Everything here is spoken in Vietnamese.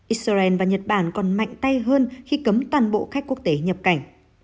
israel và nhật bản còn mạnh tay hơn khi cấm toàn bộ khách quốc tế nhập cảnh